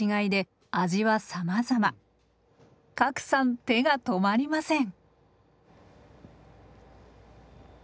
加来さん手が止まりません。